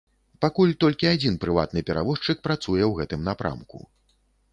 Пакуль толькі адзін прыватны перавозчык працуе ў гэтым напрамку.